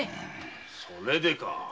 それでか。